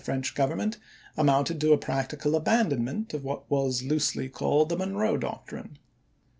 French Government amounted to a practical aban donment of what was loosely called the Monroe Doctrine.